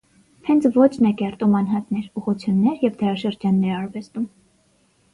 Հենց ոճն է կերտում անհատներ, ուղղություններ և դարաշրջաններ արվեստում։